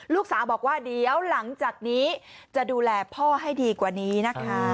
ลูกสาวบอกว่าเดี๋ยวหลังจากนี้จะดูแลพ่อให้ดีกว่านี้นะคะ